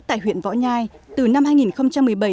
tại huyện võ nhai từ năm hai nghìn một mươi bảy